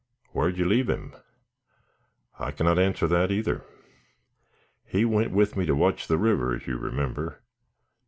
"Whar'd you leave him?" "I cannot answer that either. He went with me to watch the river, as you remember.